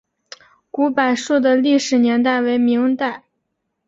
古柏树的历史年代为明代。